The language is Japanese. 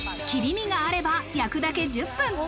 切り身があれば焼くだけ１０分。